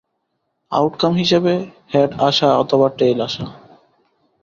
Outcome হিসেবে head আসা অথবা টেইল আসা।